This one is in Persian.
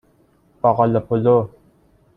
باقلا پلو